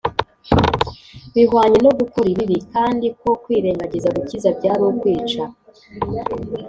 bihwanye no gukora ibibi; kandi ko kwirengagiza gukiza byari ukwica